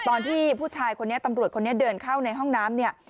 ตอนที่ผู้ชายคนนี้ตำรวจคนนี้เดินเข้าในห้องน้ำเนี่ย